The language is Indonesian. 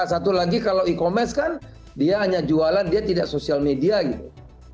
satu lagi kalau e commerce kan dia hanya jualan dia tidak sosial media gitu